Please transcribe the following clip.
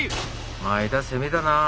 前田攻めたなあ。